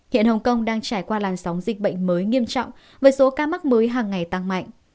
hiện hồng kông đang trải qua làn sóng dịch bệnh mới nghiêm trọng với số ca mắc mới hàng ngày tăng mạnh